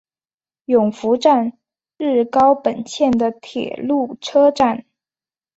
勇拂站日高本线的铁路车站。